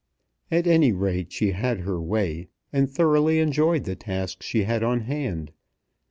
At any rate, she had her way, and thoroughly enjoyed the task she had on hand.